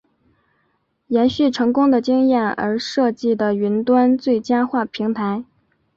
延续成功的经验而设计的云端最佳化平台。